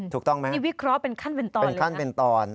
ถูกต้องไหมครับเป็นขั้นเป็นตอนเลยครับเป็นขั้นเป็นตอน